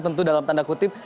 tentu dalam tanda kutip